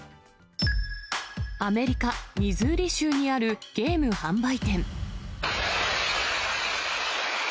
アメリカ・ミズーリ州にあるゲーム販売店。